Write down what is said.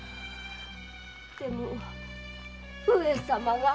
でも上様が。